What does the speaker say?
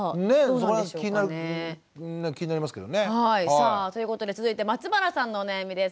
さあということで続いて松原さんのお悩みです。